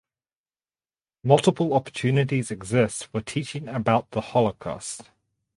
Multiple opportunities exist for teaching about the Holocaust.